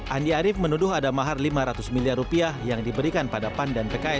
andi arief menuduh ada mahar lima ratus miliar rupiah yang diberikan pada pan dan pks